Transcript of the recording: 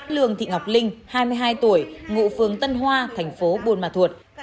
lương thị ngọc linh hai mươi hai tuổi ngụ phường tân hoa thành phố buôn ma thuột